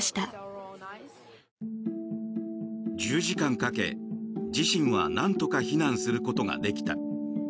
１０時間かけ、自身はなんとか避難することができた。